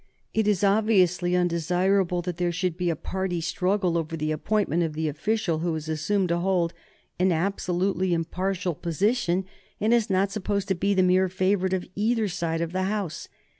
It is obviously undesirable that there should be a party struggle over the appointment of the official who is assumed to hold an absolutely impartial position and is not supposed to be the mere favorite of either side of the House.